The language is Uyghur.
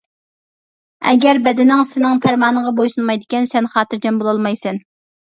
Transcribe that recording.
ئەگەر بەدىنىڭ سېنىڭ پەرمانىڭغا بويسۇنمايدىكەن، سەن خاتىرجەم بولالمايسەن.